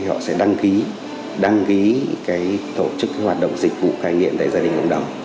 họ sẽ đăng ký tổ chức hoạt động dịch vụ cai nghiện tại gia đình cộng đồng